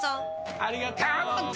ありがとう！